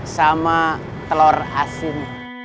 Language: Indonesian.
sama telur asin